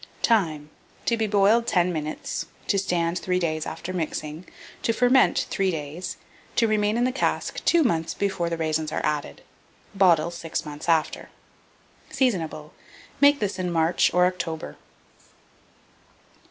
Time. To be boiled 10 minutes; to stand 3 days after mixing; to ferment 3 days; to remain in the cask 2 mouths before the raisins are added; bottle 6 months after. Seasonable. Make this in March or October.